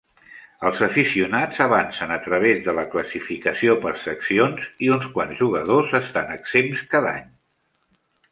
Els aficionats avancen a través de la classificació per seccions, i uns quants jugadors estan exempts cada any.